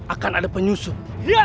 akan ada penyusup